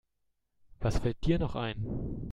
Was fällt dir noch ein?